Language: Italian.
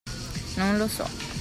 Non lo so.